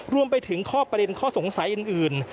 รวมไปถึงข้อประเด็นข้อสงสัยอื่น